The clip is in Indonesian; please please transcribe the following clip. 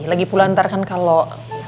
lagipula ntar kan kalau